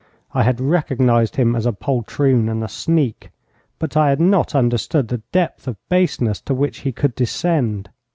I had recognized him as a poltroon and a sneak, but I had not understood the depth of baseness to which he could descend.